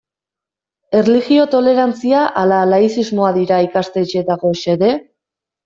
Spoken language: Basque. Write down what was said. Erlijio tolerantzia ala laizismoa dira ikastetxeetako xede?